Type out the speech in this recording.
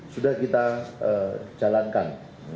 sudah kita jalankan